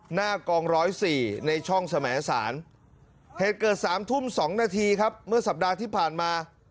หน้ากองร้อยสี่ในช่องสมสารเหตุเกิด๓ทุ่ม๒นาทีครับเมื่อสัปดาห์ที่ผ่านมา